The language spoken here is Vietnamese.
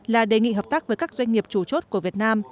là đề nghị hợp tác với các doanh nghiệp chủ chốt của việt nam